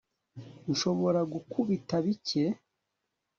nshobora gukubita bike